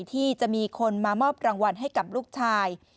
ที่จะมีคนมามอบรางวัลให้กับลูกชาย